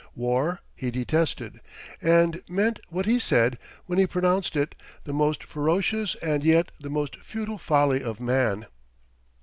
War he detested, and meant what he said when he pronounced it "the most ferocious and yet the most futile folly of man."